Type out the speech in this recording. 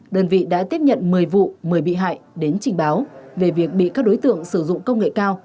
đơn vị đã tiếp nhận một mươi vụ một mươi bị hại đến trình báo về việc bị các đối tượng sử dụng công nghệ cao